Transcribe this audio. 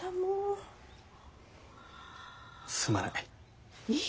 すまない。